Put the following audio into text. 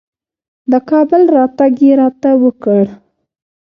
د کابل راتګ یې راته وکړ.